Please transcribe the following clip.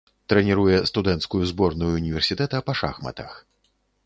Трэніруе студэнцкую зборную ўніверсітэта па шахматах.